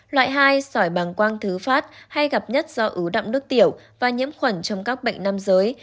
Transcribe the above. loại hai sỏi bằng quang thứ phát hay gặp nhất do ứ động nước tiểu và nhiễm khuẩn trong các bệnh nam giới